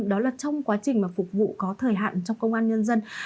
đó là trong quá trình mà phục vụ có thời hạn trong công an nhân dân